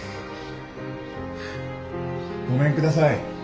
・ごめんください。